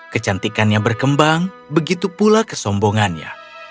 kecantikannya berkembang begitu pula kesombongannya